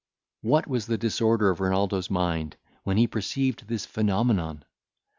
What was the disorder of Renaldo's mind, when he perceived this phenomenon!